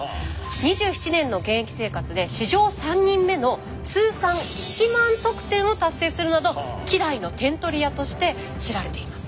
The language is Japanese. ２７年の現役生活で史上３人目のを達成するなど希代の点取り屋として知られています。